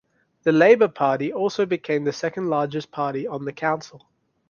The Labour party also became the second largest party on the council.